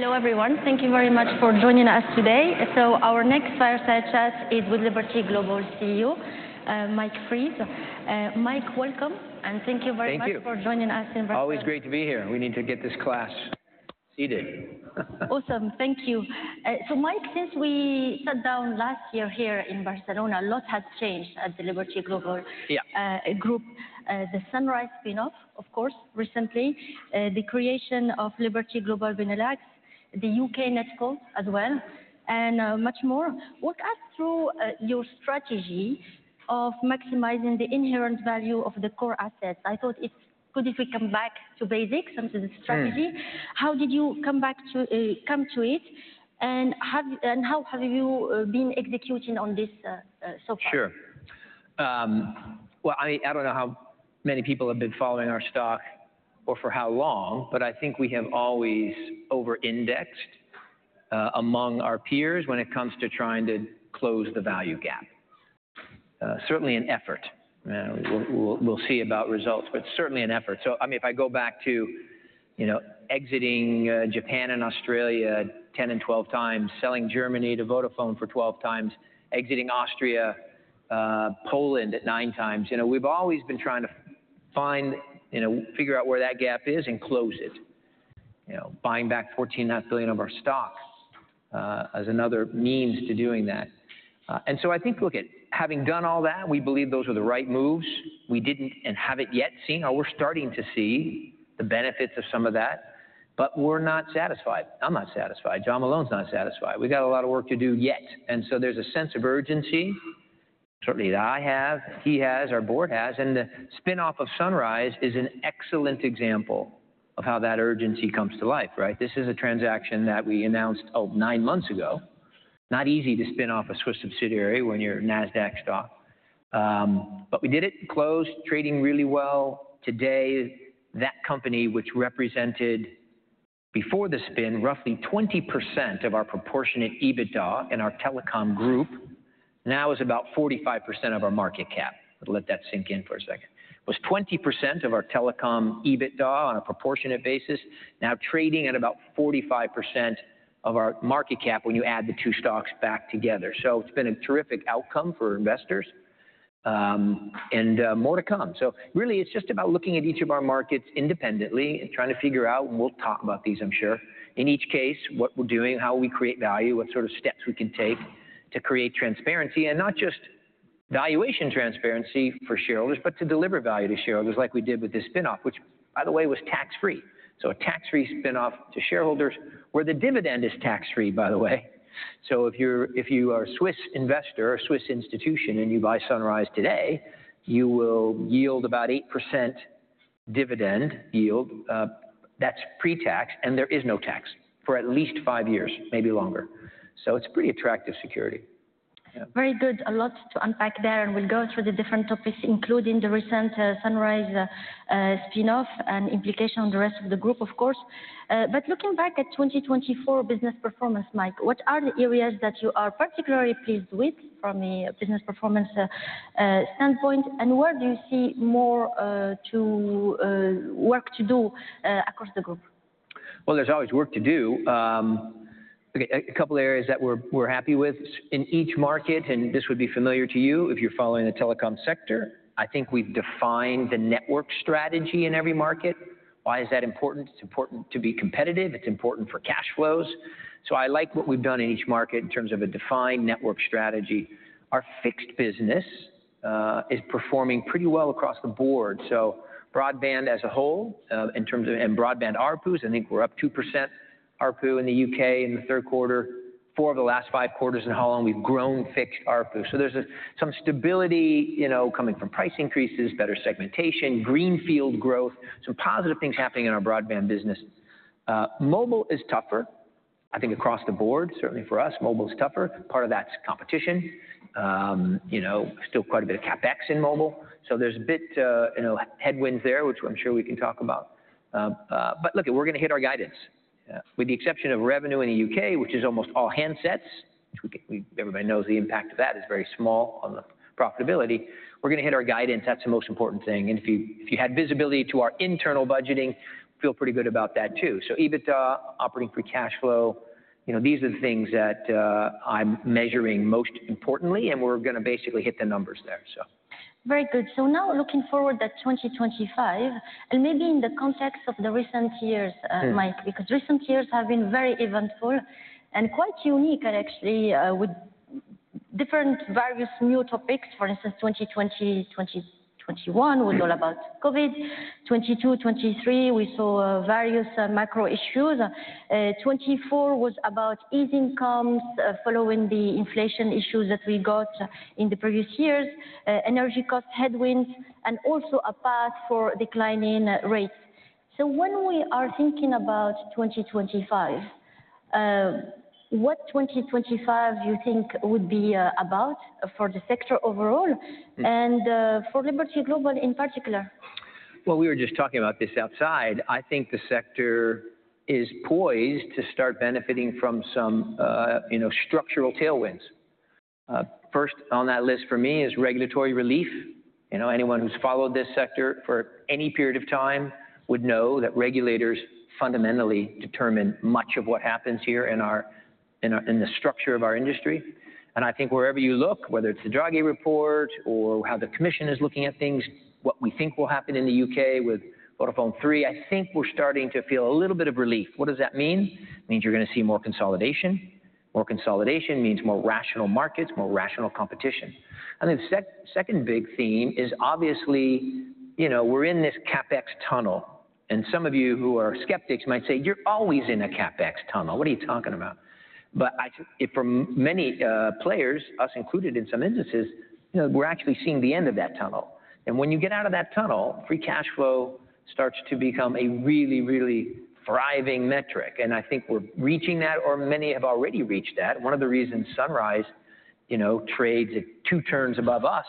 Hello, everyone. Thank you very much for joining us today. So our next fireside chat is with Liberty Global CEO, Mike Fries. Mike, welcome, and thank you very much for joining us in Barcelona. Always great to be here. We need to get this class seated. Awesome. Thank you. So Mike, since we sat down last year here in Barcelona, a lot has changed at the Liberty Global Group. The Sunrise spin-off, of course, recently, the creation of Liberty Global Benelux, the U.K. NetCo as well, and much more. Walk us through your strategy of maximizing the inherent value of the core assets. I thought it's good if we come back to basics, to the strategy. How did you come to it, and how have you been executing on this so far? Sure. Well, I don't know how many people have been following our stock or for how long, but I think we have always over-indexed among our peers when it comes to trying to close the value gap. Certainly an effort. We'll see about results, but certainly an effort. So I mean, if I go back to exiting Japan and Australia 10 and 12 times, selling Germany to Vodafone for 12 times, exiting Austria, Poland at nine times, we've always been trying to figure out where that gap is and close it. Buying back $14.5 billion of our stock as another means to doing that. And so I think, look at having done all that, we believe those were the right moves. We haven't yet seen. We're starting to see the benefits of some of that, but we're not satisfied. I'm not satisfied. John Malone's not satisfied. We've got a lot of work to do yet, and so there's a sense of urgency, certainly that I have, he has, our board has, and the spin-off of Sunrise is an excellent example of how that urgency comes to life. This is a transaction that we announced nine months ago. Not easy to spin off a Swiss subsidiary when you're a Nasdaq stock, but we did it, closed, trading really well. Today, that company, which represented before the spin roughly 20% of our proportionate EBITDA in our telecom group, now is about 45% of our market cap. Let that sink in for a second. It was 20% of our telecom EBITDA on a proportionate basis, now trading at about 45% of our market cap when you add the two stocks back together, so it's been a terrific outcome for investors, and more to come. So really, it's just about looking at each of our markets independently and trying to figure out, and we'll talk about these, I'm sure, in each case, what we're doing, how we create value, what sort of steps we can take to create transparency, and not just valuation transparency for shareholders, but to deliver value to shareholders like we did with this spin-off, which, by the way, was tax-free. So a tax-free spin-off to shareholders where the dividend is tax-free, by the way. So if you are a Swiss investor or a Swiss institution and you buy Sunrise today, you will yield about 8% dividend yield. That's pre-tax, and there is no tax for at least five years, maybe longer. So it's a pretty attractive security. Very good. A lot to unpack there, and we'll go through the different topics, including the recent Sunrise spin-off and implication on the rest of the group, of course. But looking back at 2024 business performance, Mike, what are the areas that you are particularly pleased with from a business performance standpoint, and where do you see more work to do across the group? There's always work to do. A couple of areas that we're happy with in each market, and this would be familiar to you if you're following the telecom sector. I think we've defined the network strategy in every market. Why is that important? It's important to be competitive. It's important for cash flows. So I like what we've done in each market in terms of a defined network strategy. Our fixed business is performing pretty well across the board. So broadband as a whole and broadband ARPUs, I think we're up 2% ARPU in the U.K. in the third quarter, four of the last five quarters in Holland. We've grown fixed ARPU. So there's some stability coming from price increases, better segmentation, greenfield growth, some positive things happening in our broadband business. Mobile is tougher, I think, across the board, certainly for us. Mobile is tougher. Part of that's competition. Still quite a bit of CapEx in mobile, so there's a bit of headwinds there, which I'm sure we can talk about, but look, we're going to hit our guidance. With the exception of revenue in the U.K., which is almost all handsets, everybody knows the impact of that is very small on the profitability. We're going to hit our guidance. That's the most important thing, and if you had visibility to our internal budgeting, feel pretty good about that too, so EBITDA, operating free cash flow, these are the things that I'm measuring most importantly, and we're going to basically hit the numbers there. Very good. So now looking forward to 2025, and maybe in the context of the recent years, Mike, because recent years have been very eventful and quite unique, actually, with different various new topics. For instance, 2020, 2021 was all about COVID. 2022, 2023, we saw various macro issues. 2024 was about easing, comes following the inflation issues that we got in the previous years, energy cost headwinds, and also a path for declining rates. So when we are thinking about 2025, what 2025 do you think would be about for the sector overall and for Liberty Global in particular? We were just talking about this outside. I think the sector is poised to start benefiting from some structural tailwinds. First on that list for me is regulatory relief. Anyone who's followed this sector for any period of time would know that regulators fundamentally determine much of what happens here in the structure of our industry. I think wherever you look, whether it's the Draghi Report or how the commission is looking at things, what we think will happen in the U.K. with Vodafone Three, I think we're starting to feel a little bit of relief. What does that mean? It means you're going to see more consolidation. More consolidation means more rational markets, more rational competition. I think the second big theme is obviously we're in this CapEx tunnel. Some of you who are skeptics might say, "You're always in a CapEx tunnel. What are you talking about, but for many players, us included in some instances, we're actually seeing the end of that tunnel, and when you get out of that tunnel, free cash flow starts to become a really, really thriving metric, and I think we're reaching that, or many have already reached that. One of the reasons Sunrise trades at two turns above us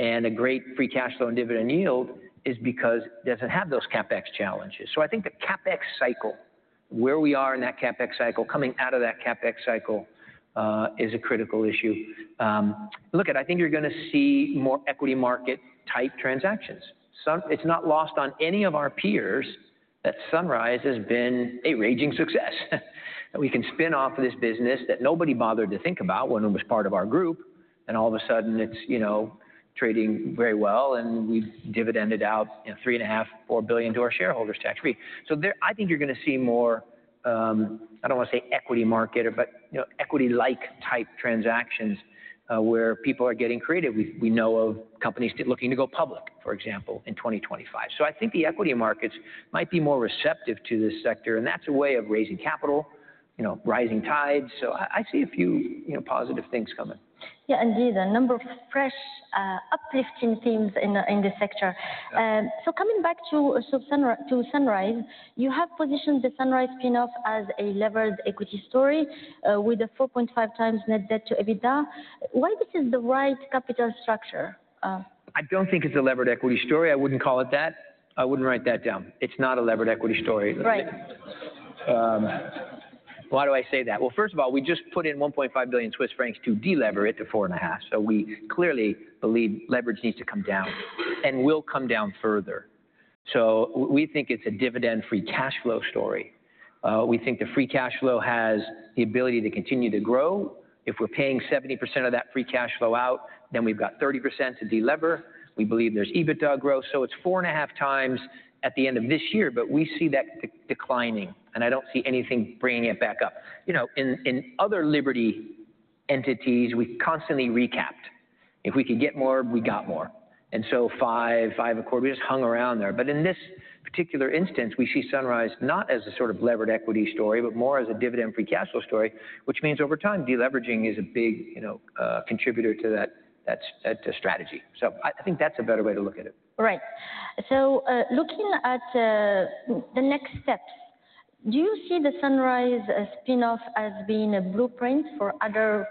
and a great free cash flow and dividend yield is because it doesn't have those CapEx challenges, so I think the CapEx cycle, where we are in that CapEx cycle, coming out of that CapEx cycle is a critical issue. Look at it, I think you're going to see more equity market-type transactions. It's not lost on any of our peers that Sunrise has been a raging success, that we can spin off this business that nobody bothered to think about when it was part of our group, and all of a sudden it's trading very well, and we've dividended out 3.5-4 billion to our shareholders tax-free. So I think you're going to see more, I don't want to say equity market, but equity-like type transactions where people are getting creative. We know of companies looking to go public, for example, in 2025. So I think the equity markets might be more receptive to this sector, and that's a way of raising capital, rising tides. So I see a few positive things coming. Yeah, indeed. A number of fresh, uplifting themes in the sector. So coming back to Sunrise, you have positioned the Sunrise spin-off as a levered equity story with a 4.5 times net debt to EBITDA. Why this is the right capital structure? I don't think it's a levered equity story. I wouldn't call it that. I wouldn't write that down. It's not a levered equity story. Why do I say that? Well, first of all, we just put in 1.5 billion Swiss francs to delever it to four and a half. So we clearly believe leverage needs to come down and will come down further. So we think it's a dividend-free cash flow story. We think the free cash flow has the ability to continue to grow. If we're paying 70% of that free cash flow out, then we've got 30% to delever. We believe there's EBITDA growth. So it's four and a half times at the end of this year, but we see that declining, and I don't see anything bringing it back up. In other Liberty entities, we constantly recapped. If we could get more, we got more. And so 5.5 a quarter, we just hung around there. But in this particular instance, we see Sunrise not as a sort of levered equity story, but more as a dividend-free cash flow story, which means over time, deleveraging is a big contributor to that strategy. So I think that's a better way to look at it. Right. So looking at the next steps, do you see the Sunrise spin-off as being a blueprint for other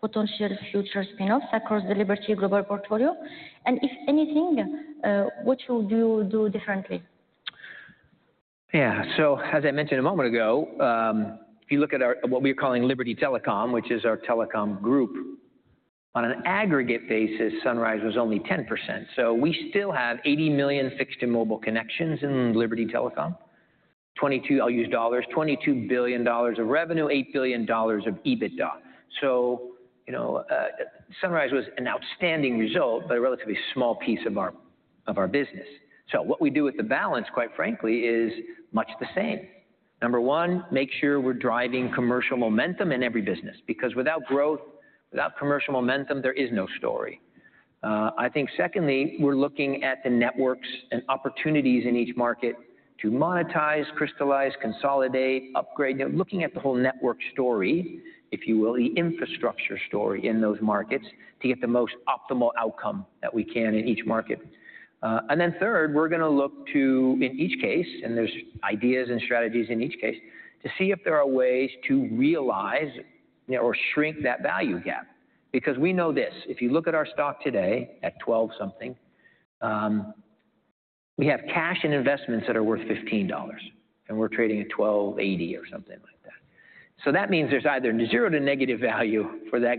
potential future spin-offs across the Liberty Global portfolio? And if anything, what would you do differently? Yeah. So as I mentioned a moment ago, if you look at what we are calling Liberty Telecom, which is our telecom group, on an aggregate basis, Sunrise was only 10%. So we still have 80 million fixed and mobile connections in Liberty Telecom. I'll use dollars, $22 billion of revenue, $8 billion of EBITDA. So Sunrise was an outstanding result, but a relatively small piece of our business. So what we do with the balance, quite frankly, is much the same. Number one, make sure we're driving commercial momentum in every business, because without growth, without commercial momentum, there is no story. I think secondly, we're looking at the networks and opportunities in each market to monetize, crystallize, consolidate, upgrade, looking at the whole network story, if you will, the infrastructure story in those markets to get the most optimal outcome that we can in each market. And then third, we're going to look to, in each case, and there's ideas and strategies in each case, to see if there are ways to realize or shrink that value gap. Because we know this, if you look at our stock today at $12 something, we have cash and investments that are worth $15, and we're trading at $12.80 or something like that. So that means there's either zero to negative value for that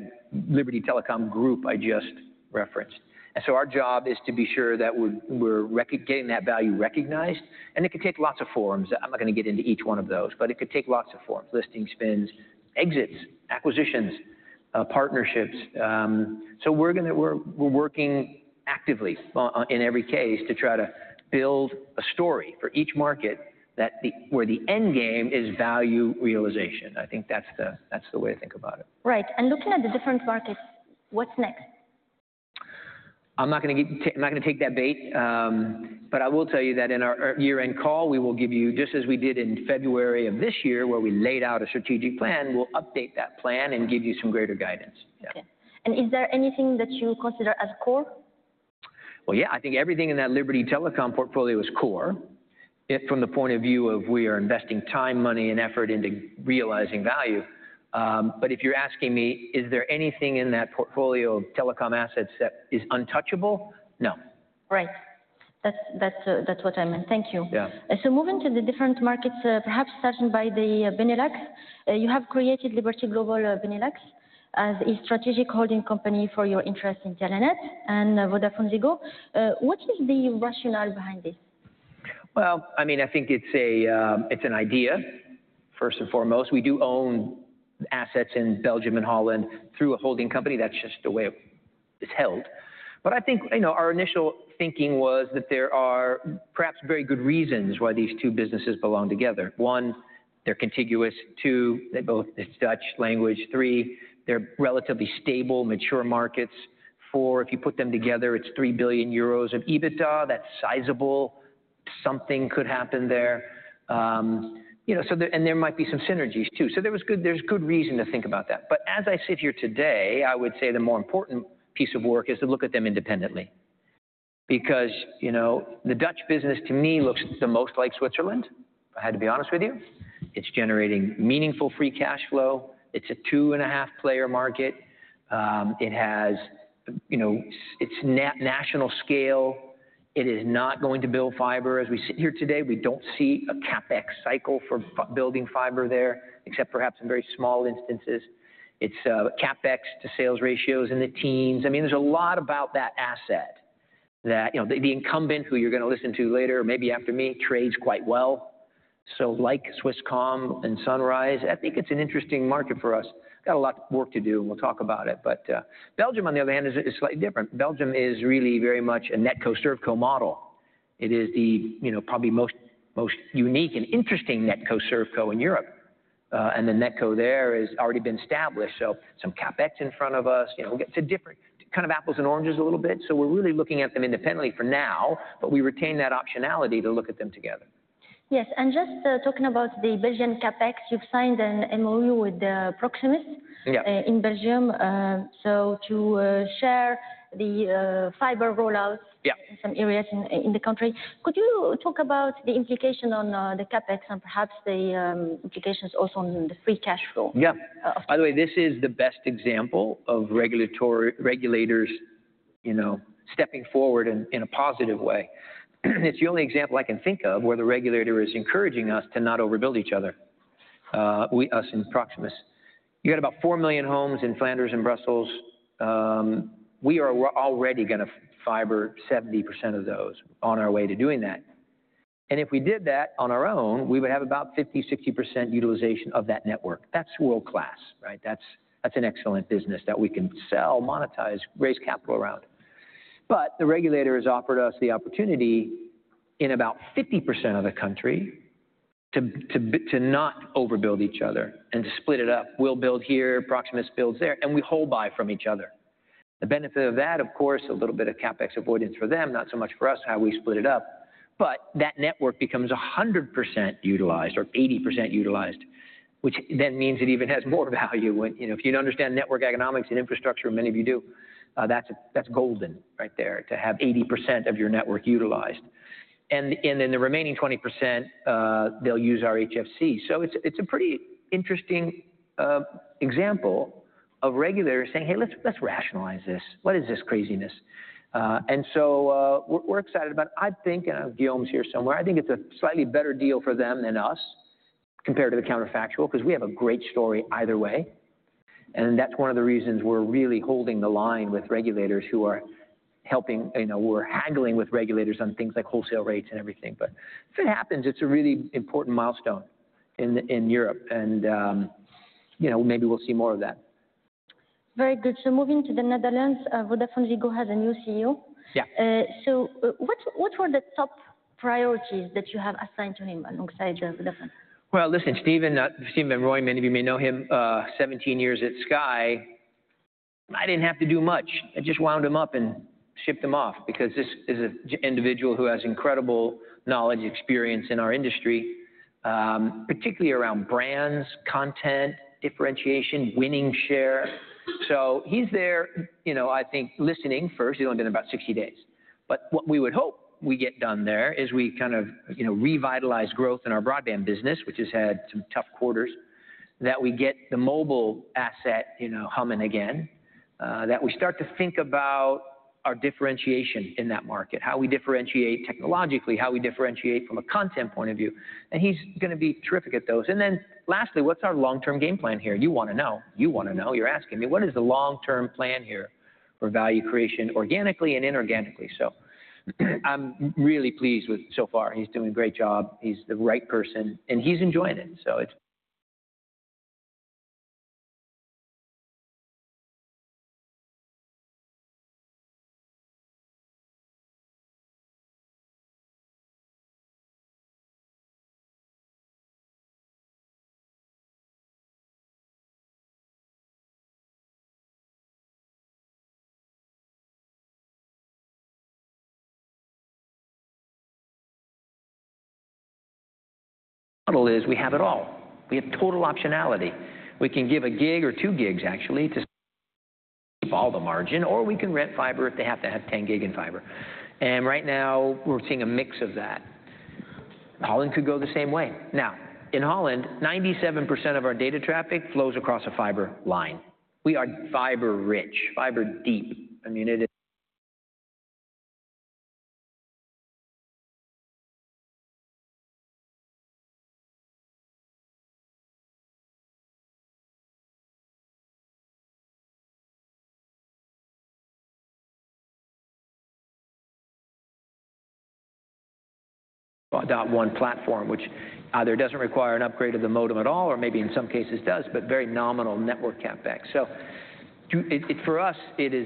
Liberty Telecom group I just referenced. And so our job is to be sure that we're getting that value recognized. And it could take lots of forums. I'm not going to get into each one of those, but it could take lots of forums, listing spins, exits, acquisitions, partnerships. So we're working actively in every case to try to build a story for each market where the end game is value realization. I think that's the way to think about it. Right. And looking at the different markets, what's next? I'm not going to take that bait, but I will tell you that in our year-end call, we will give you, just as we did in February of this year, where we laid out a strategic plan, we'll update that plan and give you some greater guidance. Is there anything that you consider as core? Well, yeah, I think everything in that Liberty Telecom portfolio is core from the point of view of we are investing time, money, and effort into realizing value. But if you're asking me, is there anything in that portfolio of telecom assets that is untouchable? No. Right. That's what I meant. Thank you. So moving to the different markets, perhaps starting by the Benelux, you have created Liberty Global Benelux as a strategic holding company for your interests in Telenet and VodafoneZiggo. What is the rationale behind this? I mean, I think it's an idea, first and foremost. We do own assets in Belgium and Holland through a holding company. That's just the way it's held. I think our initial thinking was that there are perhaps very good reasons why these two businesses belong together. One, they're contiguous. Two, they both speak Dutch language. Three, they're relatively stable, mature markets. Four, if you put them together, it's 3 billion euros of EBITDA. That's sizable. Something could happen there. There might be some synergies too. There's good reason to think about that. As I sit here today, I would say the more important piece of work is to look at them independently. Because the Dutch business, to me, looks the most like Switzerland, if I had to be honest with you. It's generating meaningful free cash flow. It's a two and a half player market. It's national scale. It is not going to build fiber. As we sit here today, we don't see a CapEx cycle for building fiber there, except perhaps in very small instances. It's CapEx to sales ratios in the teens. I mean, there's a lot about that asset that the incumbent, who you're going to listen to later or maybe after me, trades quite well, so like Swisscom and Sunrise, I think it's an interesting market for us. We've got a lot of work to do, and we'll talk about it, but Belgium, on the other hand, is slightly different. Belgium is really very much a NetCo-ServCo model. It is the probably most unique and interesting NetCo-ServCo in Europe, and the NetCo there has already been established, so some CapEx in front of us. It's a different kind of apples and oranges a little bit. So we're really looking at them independently for now, but we retain that optionality to look at them together. Yes. And just talking about the Belgian CapEx, you've signed an MOU with Proximus in Belgium to share the fiber rollouts in some areas in the country. Could you talk about the implication on the CapEx and perhaps the implications also on the free cash flow? Yeah. By the way, this is the best example of regulators stepping forward in a positive way. It's the only example I can think of where the regulator is encouraging us to not overbuild each other, us and Proximus. You've got about four million homes in Flanders and Brussels. We are already going to fiber 70% of those on our way to doing that. And if we did that on our own, we would have about 50%, 60% utilization of that network. That's world-class. That's an excellent business that we can sell, monetize, raise capital around. But the regulator has offered us the opportunity in about 50% of the country to not overbuild each other and to split it up. We'll build here, Proximus builds there, and we buy from each other. The benefit of that, of course, a little bit of CapEx avoidance for them, not so much for us how we split it up. But that network becomes 100% utilized or 80% utilized, which then means it even has more value. If you don't understand network economics and infrastructure, many of you do, that's golden right there to have 80% of your network utilized. And then the remaining 20%, they'll use our HFC. So it's a pretty interesting example of regulators saying, "Hey, let's rationalize this. What is this craziness?" And so we're excited about it. I think, and Guillaume's here somewhere, I think it's a slightly better deal for them than us compared to the counterfactual because we have a great story either way. And that's one of the reasons we're really holding the line with regulators who are helping. We're haggling with regulators on things like wholesale rates and everything. But if it happens, it's a really important milestone in Europe, and maybe we'll see more of that. Very good. So moving to the Netherlands, VodafoneZiggo has a new CEO. So what were the top priorities that you have assigned to him alongside Vodafone? Listen, Stephen van Rooyen, many of you may know him, 17 years at Sky. I didn't have to do much. I just wound him up and shipped him off because this is an individual who has incredible knowledge and experience in our industry, particularly around brands, content, differentiation, winning share. So he's there, I think, listening first. He's only been about 60 days. But what we would hope we get done there is we kind of revitalize growth in our broadband business, which has had some tough quarters, that we get the mobile asset humming again, that we start to think about our differentiation in that market, how we differentiate technologically, how we differentiate from a content point of view. And he's going to be terrific at those. And then lastly, what's our long-term game plan here? You want to know. You want to know. You're asking me. What is the long-term plan here for value creation organically and inorganically? So I'm really pleased with so far. He's doing a great job. He's the right person, and he's enjoying it. So. Model is we have it all. We have total optionality. We can give a gig or two gigs, actually, to keep all the margin, or we can rent fiber if they have to have 10 gig in fiber. And right now, we're seeing a mix of that. Holland could go the same way. Now, in Holland, 97% of our data traffic flows across a fiber line. We are fiber-rich, fiber-deep. I mean, it is. One platform, which either doesn't require an upgrade of the modem at all, or maybe in some cases does, but very nominal network CapEx. So for us, it is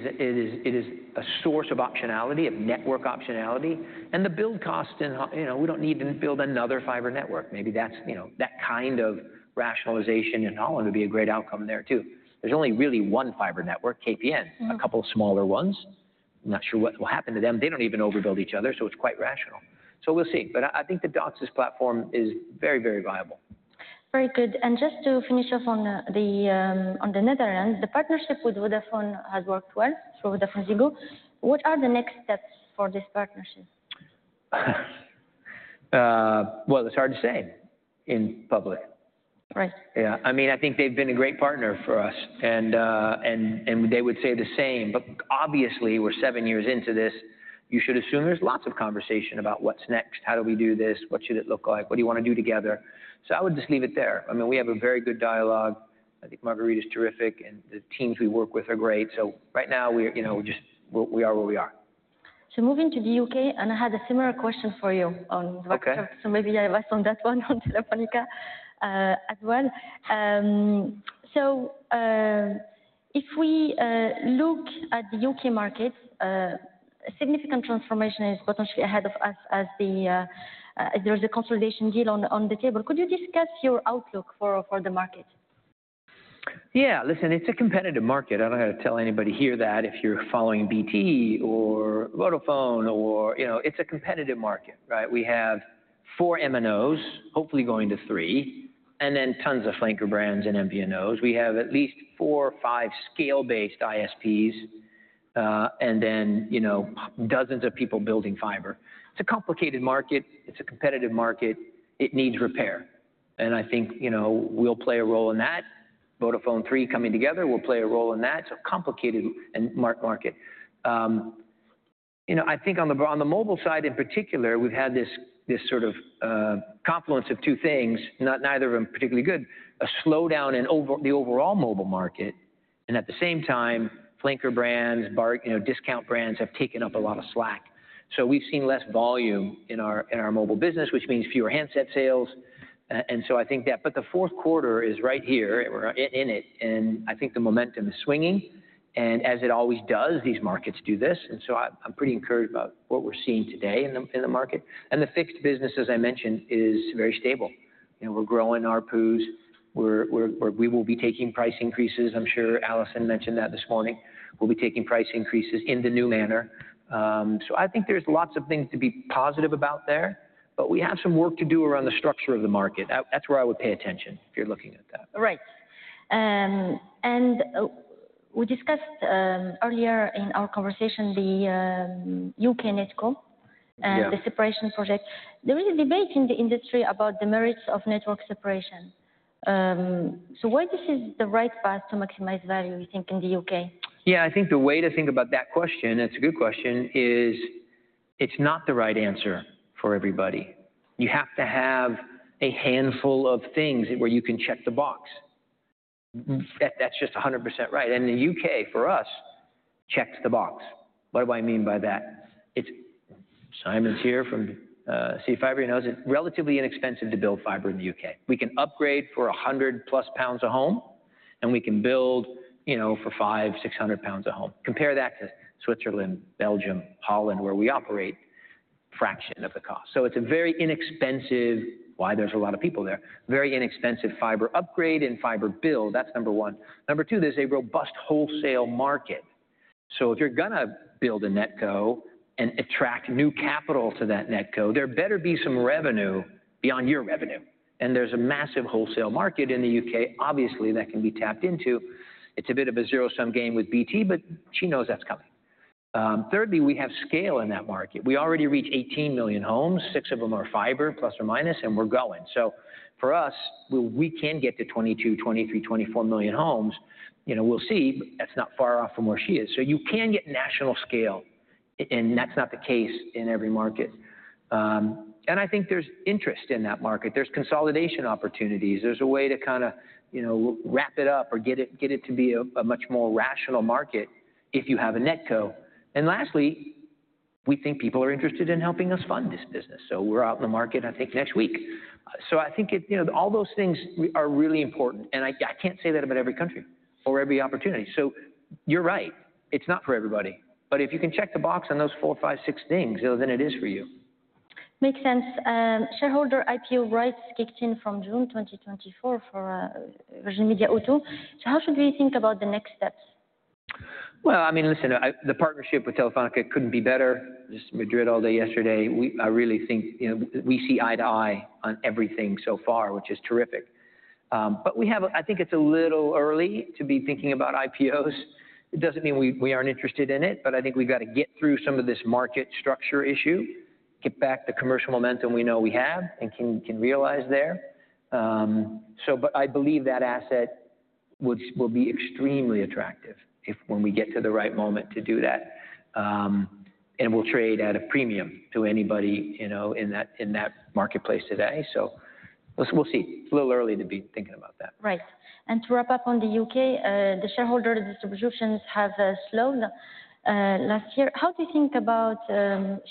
a source of optionality, of network optionality. And the build cost, we don't need to build another fiber network. Maybe that's that kind of rationalization in Holland would be a great outcome there too. There's only really one fiber network, KPN, a couple of smaller ones. I'm not sure what will happen to them. They don't even overbuild each other, so it's quite rational. So we'll see. But I think the DOCSIS platform is very, very viable. Very good. And just to finish off on the Netherlands, the partnership with Vodafone has worked well through VodafoneZiggo. What are the next steps for this partnership? It's hard to say in public. Right. Yeah. I mean, I think they've been a great partner for us, and they would say the same. But obviously, we're seven years into this. You should assume there's lots of conversation about what's next. How do we do this? What should it look like? What do you want to do together? So I would just leave it there. I mean, we have a very good dialogue. I think Margherita is terrific, and the teams we work with are great. So right now, we are where we are. So moving to the U.K., and I had a similar question for you on Vodafone. So maybe I'll answer that one on Telefónica as well. So if we look at the U.K. market, significant transformation is potentially ahead of us as there is a consolidation deal on the table. Could you discuss your outlook for the market? Yeah. Listen, it's a competitive market. I don't know how to tell anybody here that if you're following BT or Vodafone, it's a competitive market. We have four MNOs, hopefully going to three, and then tons of flanker brands and MVNOs. We have at least four or five scale-based ISPs and then dozens of people building fiber. It's a complicated market. It's a competitive market. It needs repair. And I think we'll play a role in that. Vodafone Three coming together will play a role in that. It's a complicated market. I think on the mobile side in particular, we've had this sort of confluence of two things, neither of them particularly good: a slowdown in the overall mobile market. And at the same time, flanker brands, discount brands have taken up a lot of slack. We've seen less volume in our mobile business, which means fewer handset sales. And so I think that. But the fourth quarter is right here. We're in it. And I think the momentum is swinging. And as it always does, these markets do this. And so I'm pretty encouraged about what we're seeing today in the market. And the fixed business, as I mentioned, is very stable. We're growing our pools. We will be taking price increases. I'm sure Alison mentioned that this morning. We'll be taking price increases in the new manner. So I think there's lots of things to be positive about there, but we have some work to do around the structure of the market. That's where I would pay attention if you're looking at that. Right, and we discussed earlier in our conversation the U.K. NetCo and the separation project. There is a debate in the industry about the merits of network separation, so why this is the right path to maximize value, you think, in the U.K.? Yeah. I think the way to think about that question, it's a good question, is it's not the right answer for everybody. You have to have a handful of things where you can check the box. That's just 100% right, and the U.K., for us, checks the box. What do I mean by that? Simon's here from CityFibre. He knows it's relatively inexpensive to build fiber in the U.K.. We can upgrade for 100-plus pounds a home, and we can build for 500-600 pounds a home. Compare that to Switzerland, Belgium, Holland, where we operate, a fraction of the cost, so it's a very inexpensive, why there's a lot of people there, very inexpensive fiber upgrade and fiber build. That's number one. Number two, there's a robust wholesale market. So if you're going to build a NetCo and attract new capital to that NetCo, there better be some revenue beyond your revenue. And there's a massive wholesale market in the U.K., obviously, that can be tapped into. It's a bit of a zero-sum game with BT, but she knows that's coming. Thirdly, we have scale in that market. We already reached 18 million homes. Six of them are fiber, plus or minus, and we're going. So for us, we can get to 22, 23, 24 million homes. We'll see. That's not far off from where she is. So you can get national scale, and that's not the case in every market. And I think there's interest in that market. There's consolidation opportunities. There's a way to kind of wrap it up or get it to be a much more rational market if you have a NetCo. And lastly, we think people are interested in helping us fund this business. So we're out in the market, I think, next week. So I think all those things are really important. And I can't say that about every country or every opportunity. So you're right. It's not for everybody. But if you can check the box on those four, five, six things, then it is for you. Makes sense. Shareholder IPO rights kicked in from June 2024 for Virgin Media O2. So how should we think about the next steps? I mean, listen, the partnership with Telefónica couldn't be better. Just Madrid all day yesterday. I really think we see eye to eye on everything so far, which is terrific. I think it's a little early to be thinking about IPOs. It doesn't mean we aren't interested in it, but I think we've got to get through some of this market structure issue, get back the commercial momentum we know we have and can realize there. I believe that asset will be extremely attractive when we get to the right moment to do that. We'll trade at a premium to anybody in that marketplace today. We'll see. It's a little early to be thinking about that. Right. And to wrap up on the U.K., the shareholder distributions have slowed last year. How do you think about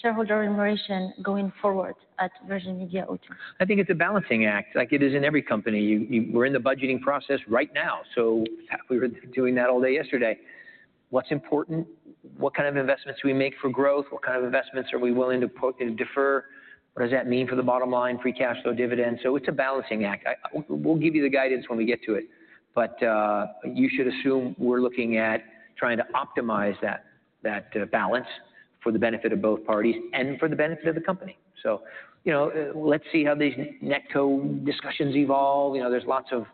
shareholder remuneration going forward at Virgin Media O2? I think it's a balancing act. Like it is in every company. We're in the budgeting process right now. So we were doing that all day yesterday. What's important? What kind of investments do we make for growth? What kind of investments are we willing to defer? What does that mean for the bottom line, free cash flow, dividends? So it's a balancing act. We'll give you the guidance when we get to it. But you should assume we're looking at trying to optimize that balance for the benefit of both parties and for the benefit of the company. So let's see how these NetCo discussions evolve. There's lots of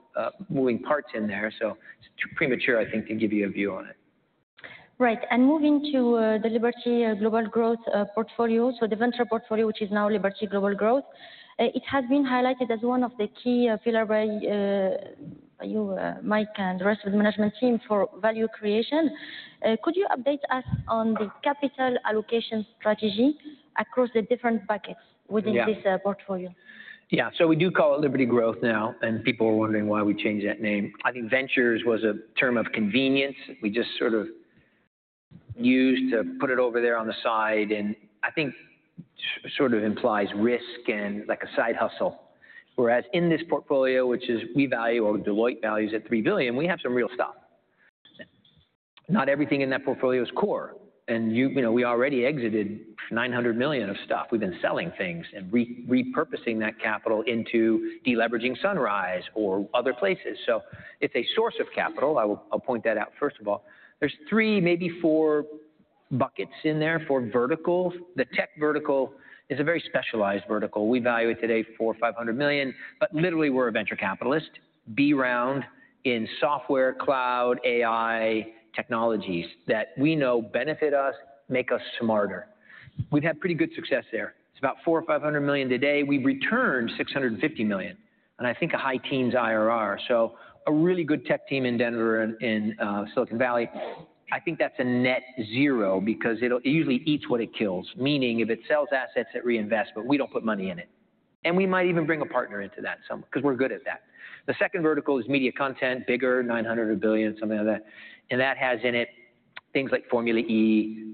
moving parts in there. So it's premature, I think, to give you a view on it. Right, and moving to the Liberty Global Growth portfolio, so the venture portfolio, which is now Liberty Global Growth, it has been highlighted as one of the key pillars by you, Mike, and the rest of the management team for value creation. Could you update us on the capital allocation strategy across the different buckets within this portfolio? Yeah. So we do call it Liberty Growth now, and people are wondering why we changed that name. I think ventures was a term of convenience. We just sort of used to put it over there on the side, and I think it sort of implies risk and like a side hustle. Whereas in this portfolio, which we value, or Deloitte values, at $3 billion, we have some real stuff. Not everything in that portfolio is core. And we already exited $900 million of stuff. We've been selling things and repurposing that capital into deleveraging Sunrise or other places. So it's a source of capital. I'll point that out first of all. There's three, maybe four buckets in there for verticals. The tech vertical is a very specialized vertical. We value it today for $500 million. But literally, we're venture capitalists around in software, cloud, AI technologies that we know benefit us, make us smarter. We've had pretty good success there. It's about $400 million-$500 million today. We've returned $650 million. And I think a high-teens IRR. So a really good tech team in Denver and Silicon Valley. I think that's a net zero because it usually eats what it kills, meaning if it sells assets, it reinvests, but we don't put money in it. And we might even bring a partner into that because we're good at that. The second vertical is media content, bigger, $900 million or $1 billion, something like that. And that has in it things like Formula E,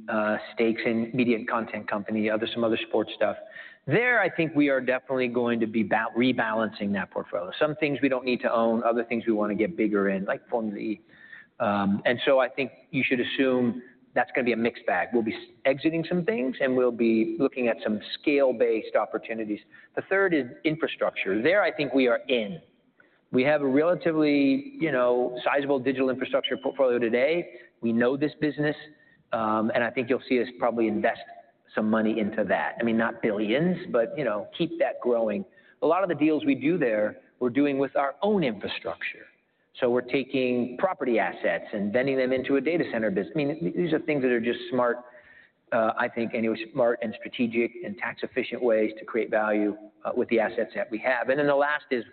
stakes in media and content companies, some other sports stuff. There, I think we are definitely going to be rebalancing that portfolio. Some things we don't need to own, other things we want to get bigger in, like Formula E, and so I think you should assume that's going to be a mixed bag. We'll be exiting some things, and we'll be looking at some scale-based opportunities. The third is infrastructure. There, I think we are in. We have a relatively sizable digital infrastructure portfolio today. We know this business, and I think you'll see us probably invest some money into that. I mean, not billions, but keep that growing. A lot of the deals we do there, we're doing with our own infrastructure. So we're taking property assets and vending them into a data center business. I mean, these are things that are just smart, I think, and strategic and tax-efficient ways to create value with the assets that we have. And then the last is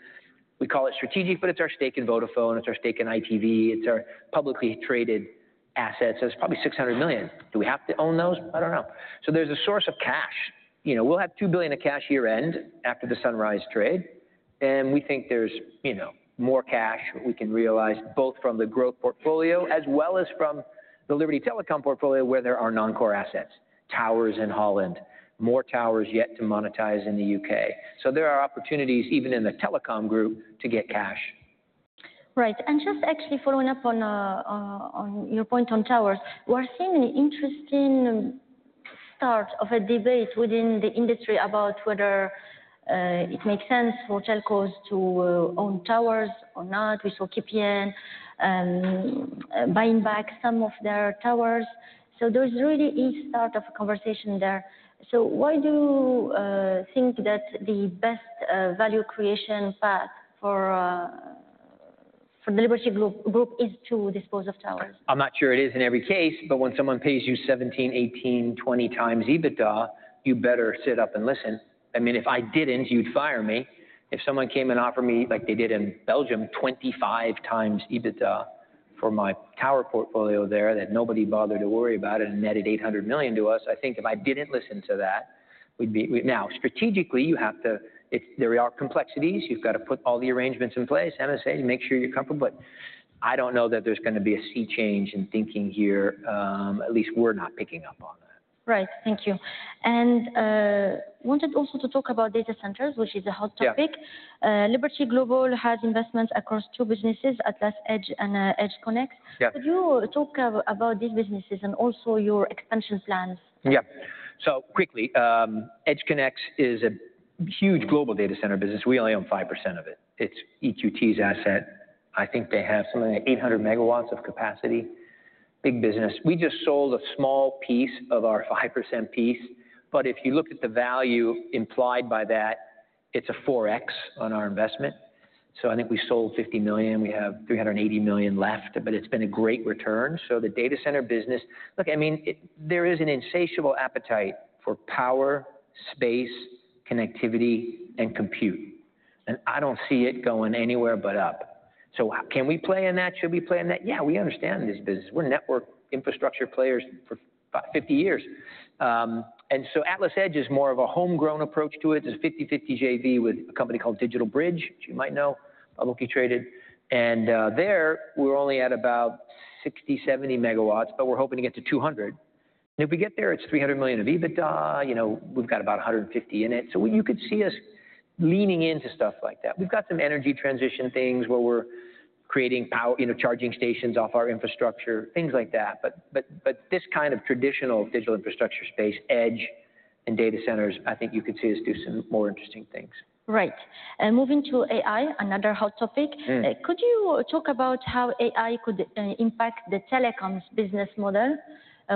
we call it strategic, but it's our stake in Vodafone. It's our stake in ITV. It's our publicly traded assets. It's probably $600 million. Do we have to own those? I don't know. So there's a source of cash. We'll have $2 billion of cash year-end after the Sunrise trade. And we think there's more cash we can realize both from the growth portfolio as well as from the Liberty Telecom portfolio where there are non-core assets, towers in Holland, more towers yet to monetize in the U.K.. So there are opportunities even in the telecom group to get cash. Right. And just actually following up on your point on towers, we're seeing an interesting start of a debate within the industry about whether it makes sense for telcos to own towers or not. We saw KPN buying back some of their towers. So there's really a start of a conversation there. So why do you think that the best value creation path for Liberty Global is to dispose of towers? I'm not sure it is in every case, but when someone pays you 17, 18, 20 times EBITDA, you better sit up and listen. I mean, if I didn't, you'd fire me. If someone came and offered me, like they did in Belgium, 25 times EBITDA for my tower portfolio there that nobody bothered to worry about it and netted 800 million to us, I think if I didn't listen to that, we'd be now, strategically, you have to there are complexities. You've got to put all the arrangements in place, MSA, make sure you're comfortable. But I don't know that there's going to be a sea change in thinking here. At least we're not picking up on that. Right. Thank you. And I wanted also to talk about data centers, which is a hot topic. Liberty Global has investments across two businesses, AtlasEdge and EdgeConneX. Could you talk about these businesses and also your expansion plans? Yeah. So quickly, EdgeConneX is a huge global data center business. We only own 5% of it. It's EQT's asset. I think they have something like 800 megawatts of capacity. Big business. We just sold a small piece of our 5% piece. But if you look at the value implied by that, it's a 4x on our investment. So I think we sold 50 million. We have 380 million left, but it's been a great return. So the data center business, look, I mean, there is an insatiable appetite for power, space, connectivity, and compute. And I don't see it going anywhere but up. So can we play in that? Should we play in that? Yeah, we understand this business. We're network infrastructure players for 50 years. And so AtlasEdge is more of a homegrown approach to it. It's a 50-50 JV with a company called DigitalBridge, which you might know, publicly traded, and there we're only at about 60-70 megawatts, but we're hoping to get to 200. And if we get there, it's 300 million of EBITDA. We've got about 150 in it, so you could see us leaning into stuff like that. We've got some energy transition things where we're creating charging stations off our infrastructure, things like that. But this kind of traditional digital infrastructure space, edge and data centers, I think you could see us do some more interesting things. Right, and moving to AI, another hot topic. Could you talk about how AI could impact the telecoms business model?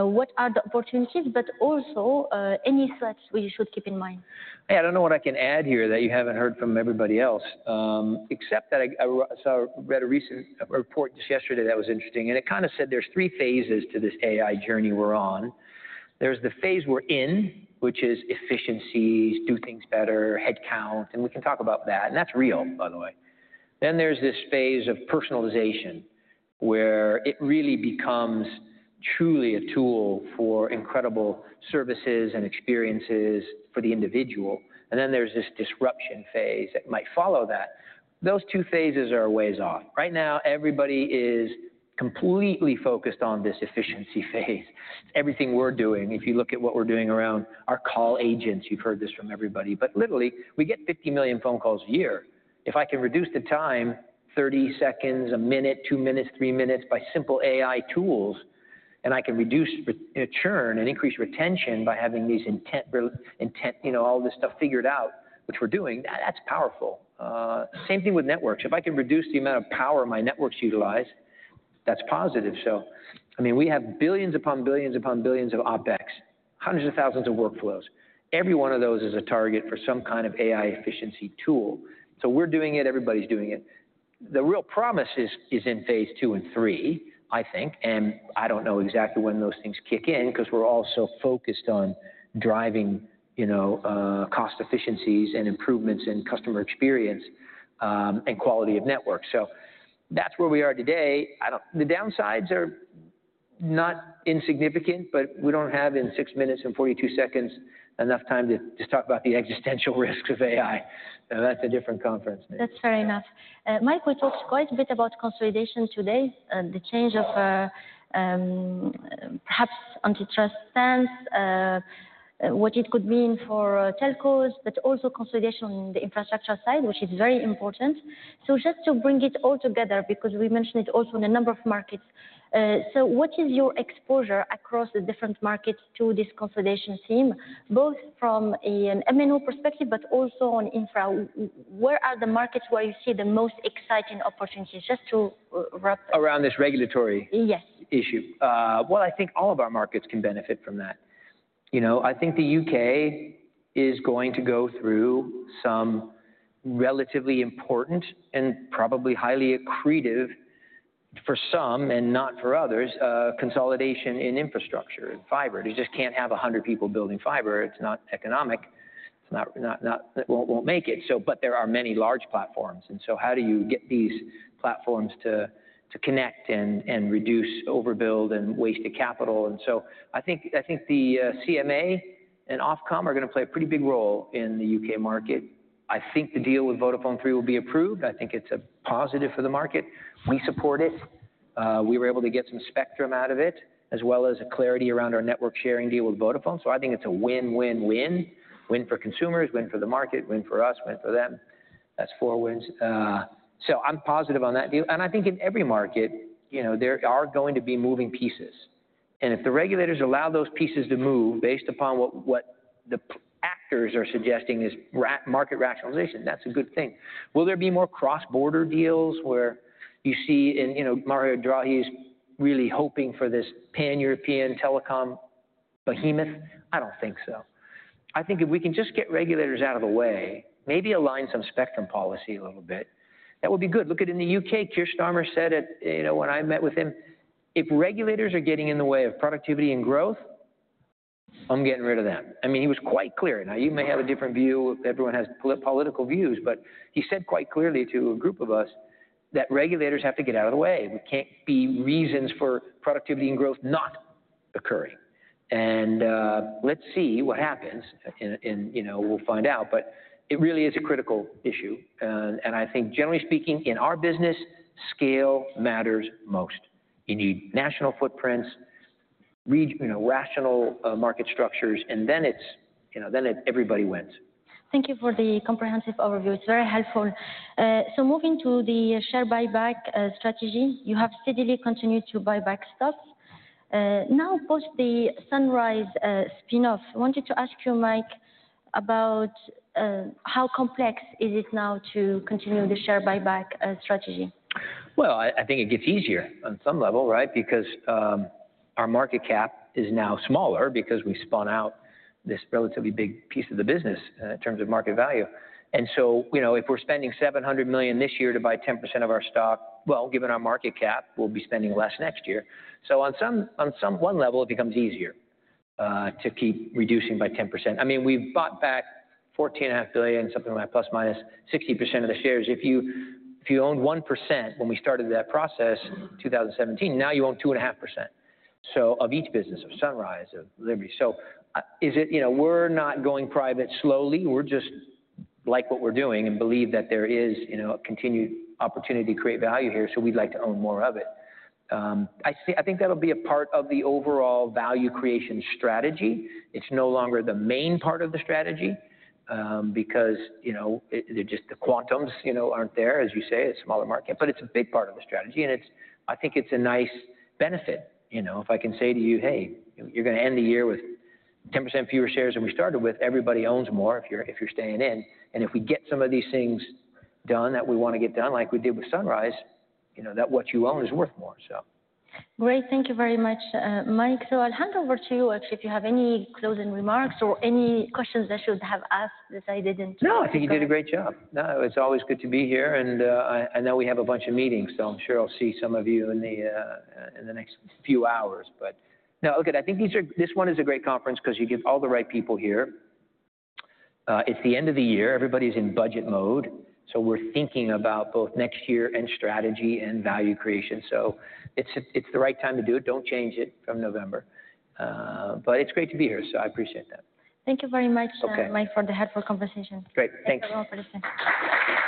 What are the opportunities, but also any threats we should keep in mind? Yeah. I don't know what I can add here that you haven't heard from everybody else, except that I read a recent report just yesterday that was interesting. And it kind of said there's three phases to this AI journey we're on. There's the phase we're in, which is efficiencies, do things better, headcount. And we can talk about that. And that's real, by the way. Then there's this phase of personalization where it really becomes truly a tool for incredible services and experiences for the individual. And then there's this disruption phase that might follow that. Those two phases are a ways off. Right now, everybody is completely focused on this efficiency phase. Everything we're doing, if you look at what we're doing around our call agents, you've heard this from everybody. But literally, we get 50 million phone calls a year. If I can reduce the time 30 seconds, a minute, two minutes, three minutes by simple AI tools, and I can churn and increase retention by having all this stuff figured out, which we're doing, that's powerful. Same thing with networks. If I can reduce the amount of power my networks utilize, that's positive. So I mean, we have billions upon billions upon billions of OpEx, hundreds of thousands of workflows. Every one of those is a target for some kind of AI efficiency tool. So we're doing it. Everybody's doing it. The real promise is in phase two and three, I think, and I don't know exactly when those things kick in because we're also focused on driving cost efficiencies and improvements in customer experience and quality of network. So that's where we are today. The downsides are not insignificant, but we don't have in six minutes and 42 seconds enough time to talk about the existential risks of AI. That's a different conference. That's fair enough. Mike, we talked quite a bit about consolidation today, the change of perhaps antitrust stance, what it could mean for telcos, but also consolidation on the infrastructure side, which is very important. So just to bring it all together, because we mentioned it also in a number of markets, so what is your exposure across the different markets to this consolidation theme, both from an MNO perspective, but also on infra? Where are the markets where you see the most exciting opportunities? Just to wrap. Around this regulatory issue. Well, I think all of our markets can benefit from that. I think the U.K. is going to go through some relatively important and probably highly accretive for some and not for others consolidation in infrastructure and fiber. You just can't have 100 people building fiber. It's not economic. It won't make it. But there are many large platforms. And so how do you get these platforms to connect and reduce, overbuild, and waste the capital? And so I think the CMA and Ofcom are going to play a pretty big role in the U.K. market. I think the deal with Vodafone Three will be approved. I think it's a positive for the market. We support it. We were able to get some spectrum out of it, as well as clarity around our network sharing deal with Vodafone. So I think it's a win-win-win, win for consumers, win for the market, win for us, win for them. That's four wins. So I'm positive on that deal. And I think in every market, there are going to be moving pieces. And if the regulators allow those pieces to move based upon what the actors are suggesting is market rationalization, that's a good thing. Will there be more cross-border deals where you see Mario Draghi is really hoping for this pan-European telecom behemoth? I don't think so. I think if we can just get regulators out of the way, maybe align some spectrum policy a little bit, that would be good. Look at in the U.K., Keir Starmer said it when I met with him, if regulators are getting in the way of productivity and growth, I'm getting rid of them. I mean, he was quite clear. Now, you may have a different view. Everyone has political views. But he said quite clearly to a group of us that regulators have to get out of the way. There can't be reasons for productivity and growth not occurring. And let's see what happens. And we'll find out. But it really is a critical issue. And I think, generally speaking, in our business, scale matters most. You need national footprints, rational market structures, and then everybody wins. Thank you for the comprehensive overview. It's very helpful. So moving to the share buyback strategy, you have steadily continued to buy back stocks. Now, post the Sunrise spin-off, I wanted to ask you, Mike, about how complex is it now to continue the share buyback strategy? Well, I think it gets easier on some level, right? Because our market cap is now smaller because we spun out this relatively big piece of the business in terms of market value. And so if we're spending $700 million this year to buy 10% of our stock, well, given our market cap, we'll be spending less next year. So on some one level, it becomes easier to keep reducing by 10%. I mean, we've bought back $14.5 billion, something like plus-minus 60% of the shares. If you owned 1% when we started that process in 2017, now you own 2.5% of each business, of Sunrise, of Liberty. So we're not going private slowly. We're just like what we're doing and believe that there is a continued opportunity to create value here. So we'd like to own more of it. I think that'll be a part of the overall value creation strategy. It's no longer the main part of the strategy because just the quantums aren't there, as you say, a smaller market. But it's a big part of the strategy. And I think it's a nice benefit. If I can say to you, "Hey, you're going to end the year with 10% fewer shares than we started with," everybody owns more if you're staying in. And if we get some of these things done that we want to get done, like we did with Sunrise, that what you own is worth more, so. Great. Thank you very much, Mike. So I'll hand over to you, actually, if you have any closing remarks or any questions I should have asked that I didn't? No, I think you did a great job. No, it's always good to be here. And I know we have a bunch of meetings, so I'm sure I'll see some of you in the next few hours. But no, look at it. I think this one is a great conference because you get all the right people here. It's the end of the year. Everybody's in budget mode. So we're thinking about both next year and strategy and value creation. So it's the right time to do it. Don't change it from November. But it's great to be here. So I appreciate that. Thank you very much, Mike, for the helpful conversation. Great. Thanks. Thank you for listening.